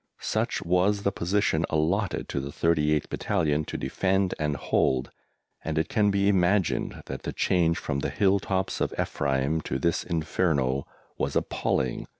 Such was the position allotted to the 38th Battalion to defend and hold, and it can be imagined that the change from the hill tops of Ephraim to this inferno was appalling.